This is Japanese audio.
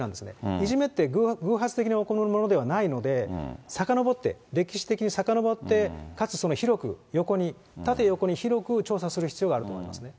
いじめって偶発的に起こるものではないので、さかのぼって歴史的にさかのぼって、かつ広く横に、縦横に広く調査する必要があると思いますね。